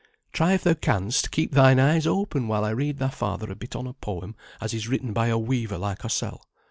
Try if thou canst keep thine eyes open while I read thy father a bit on a poem as is written by a weaver like oursel.